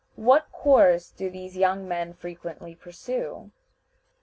What course do these young men frequently pursue?